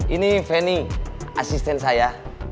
ini feni asisten saya